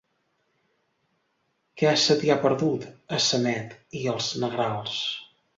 Què se t'hi ha perdut, a Sanet i els Negrals?